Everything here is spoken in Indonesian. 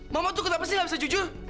mama tuh kenapa sih gak bisa jujur